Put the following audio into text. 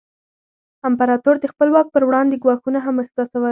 امپراتور د خپل واک پر وړاندې ګواښونه هم احساسول.